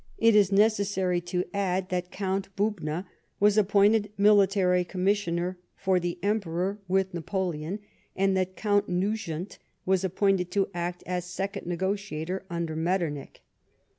It is necessary to add t'.iat Count Bubna was appointed military commissary for the Emperor with Napoleon, and that Count Nugent was nominated to act as second negotiator under Metternich.